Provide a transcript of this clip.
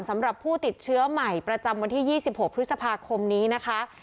สำหรับผู้ติดเชื้อใหม่ประจำวันที่๒๖พฤษภาคมนี้นะคะ